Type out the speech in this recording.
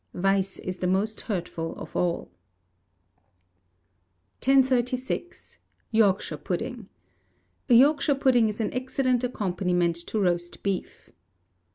[VICE IS THE MOST HURTFUL OF ALL.] 1036. Yorkshire Pudding A Yorkshire Pudding is an excellent accompaniment to roast beef.